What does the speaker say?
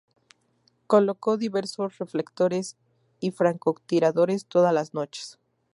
Colocó diversos reflectores y francotiradores todas las noches.